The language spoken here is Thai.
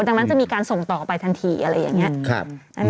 ดังนั้นจะมีการส่งต่อไปทันทีอะไรอย่างนี้